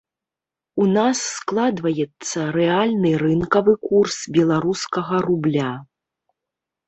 У нас складваецца рэальны рынкавы курс беларускага рубля.